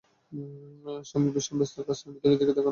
শামিল ভীষণ ব্যস্ত কাজ নিয়ে, মিথিলার দিকে তাকানোর কোনো সময় নাই তাঁর।